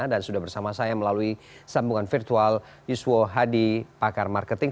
sudah bersama saya melalui sambungan virtual yuswo hadi pakar marketing